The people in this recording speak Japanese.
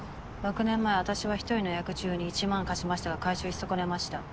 ６年前私は１人のヤク中に１万貸しましたが回収し損ねました。